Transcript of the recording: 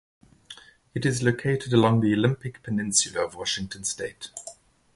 It is located along the Olympic Peninsula of Washington state.